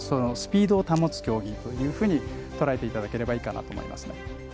スピードを保つ競技ととらえていただければいいかなと思います。